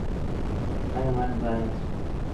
ائيٚݩ وڻ با اوهيݩ۔